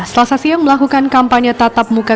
selasa siang melakukan kampanye tatap muka